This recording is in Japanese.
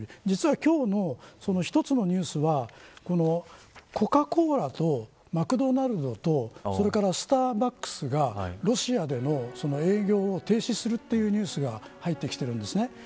実は、今日の１つのニュースはコカ・コーラとマクドナルドとスターバックスがロシアでの営業を停止するというニュースが入ってきているんです。